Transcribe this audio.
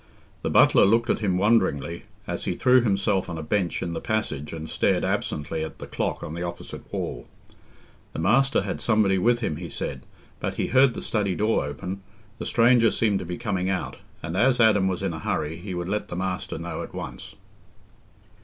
The butler looked at him wonderingly, as he threw himself on a bench in the passage and stared absently at the clock on the opposite wall. The master had somebody with him, he said, but he heard the study door open—the stranger seemed to be coming out, and as Adam was in a hurry, he would let the master know at once.